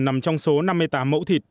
nằm trong số năm mươi tám mẫu thịt